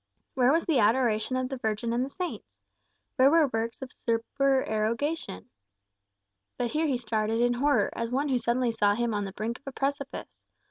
Where was the adoration of the Virgin and the saints? Where were works of supererogation? But here he started in horror, as one who suddenly saw himself on the brink of a precipice.